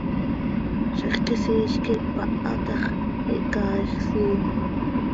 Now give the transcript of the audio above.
Zixquisiil quih paha ta x, ihcaaij, siim.